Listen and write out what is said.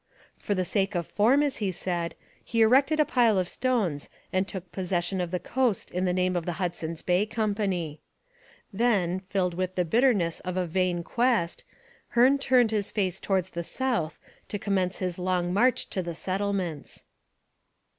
For the sake of form, as he said, he erected a pile of stones and took possession of the coast in the name of the Hudson's Bay Company. Then, filled with the bitterness of a vain quest, Hearne turned his face towards the south to commence his long march to the settlements.